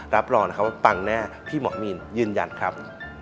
รับรองนะครับว่าปังแน่พี่หมอมีนยืนยันครับ